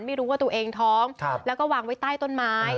ไม่รู้ว่าตัวเองท้องแล้วก็วางไว้ใต้ต้นไม้